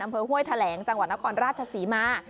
ห้วยแถลงจังหวัดนครราชศรีมา